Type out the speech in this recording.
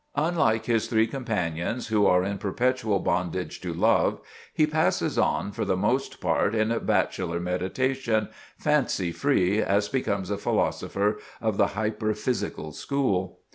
Unlike his three companions, who are in perpetual bondage to love, he passes on, for the most part, in bachelor meditation, fancy free, as becomes a philosopher of the "hyperphysical school."